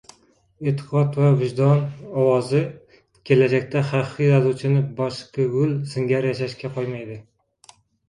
Eʼtiqod va vijdon ovozi kelajakda haqiqiy yozuvchini bachkigul singari yashashga qoʻymaydi.